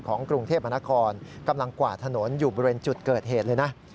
กรุงเทพมนครกำลังกวาดถนนอยู่บริเวณจุดเกิดเหตุเลยนะ